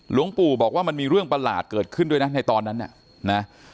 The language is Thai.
หลวงปู่บอกว่ามันมีเรื่องประหลาดเกิดขึ้นด้วยนะในตอนนั้นน่ะนะ